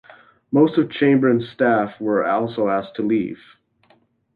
Most of Chambrin's staff were also asked to leave.